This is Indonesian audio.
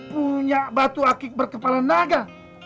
punya batu akik berkepala naga